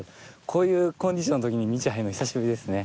こういうコンディションのときに道に入るの久しぶりですね。